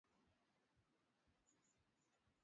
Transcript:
na hali ambae itazigatiwa wakati wa kipindi chote cha kampeni